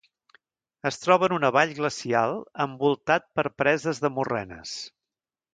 Es troba en una vall glacial, envoltat per preses de morrenes.